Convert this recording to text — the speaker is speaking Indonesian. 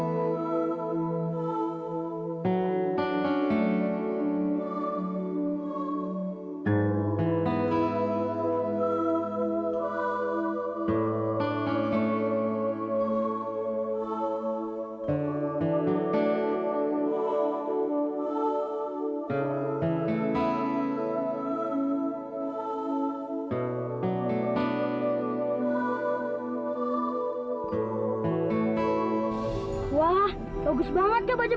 jadi tau gue jahat gila pas